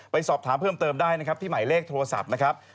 สอบถามเพิ่มเติมได้นะครับที่หมายเลขโทรศัพท์นะครับ